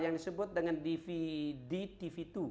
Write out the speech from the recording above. yang disebut dengan dvd tv dua